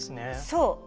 そう。